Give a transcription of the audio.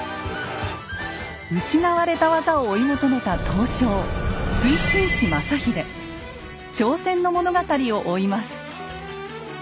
失われた技を追い求めた刀匠挑戦の物語を追います。